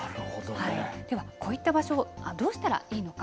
では、こういった場所どうしたらいいのか。